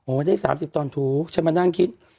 ได้๓๐ตอนถูฉันมานั่งคิด